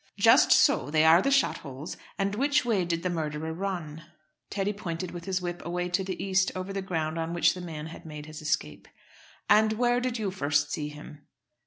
"Just so. They are the shot holes. And which way did the murderer run?" Teddy pointed with his whip away to the east, over the ground on which the man had made his escape. "And where did you first see him?"